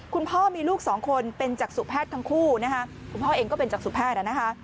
คุณพ่อมีลูกสองคนเป็นจักษุแพทย์ทั้งคู่นะคะคุณพ่อเองก็เป็นจักษุแพทย์นะคะ